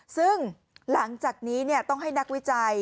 ซึ่งหลังจากนี้ต้องให้นักวิจัย